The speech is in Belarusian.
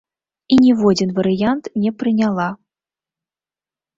І ніводзін варыянт не прыняла.